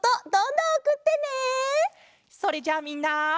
それじゃあみんな。